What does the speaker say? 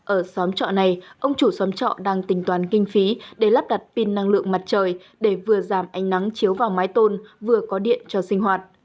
ở xóm trọ này ông chủ xóm trọ đang tình toán kinh phí để lắp đặt pin năng lượng mặt trời để vừa giảm ánh nắng chiếu vào mái tôn vừa có điện cho sinh hoạt